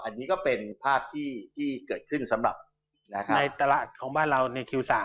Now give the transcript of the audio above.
อันนี้ก็เป็นภาพที่เกิดขึ้นสำหรับในตลาดของบ้านเราในคิว๓